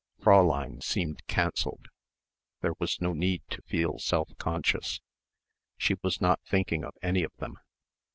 Fräulein seemed cancelled. There was no need to feel self conscious. She was not thinking of any of them.